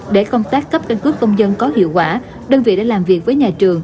để công tác cấp căn cước công dân có hiệu quả đơn vị đã làm việc với nhà trường